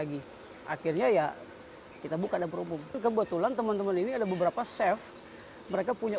zuace apa yang suatu dan kebetulan itu dengan kata penyelamat itu adalah ketika ada belakangan yang jelek